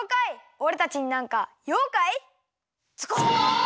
おれたちになんかようかい？ズコ！